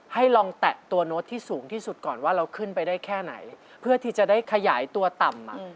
ให้ลองแตะตัวโน้ตที่สูงที่สุดก่อนว่าเราขึ้นไปได้แค่ไหนเพื่อที่จะได้ขยายตัวต่ำ